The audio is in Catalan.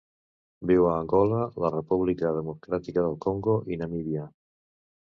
Viu a Angola, la República Democràtica del Congo i Namíbia.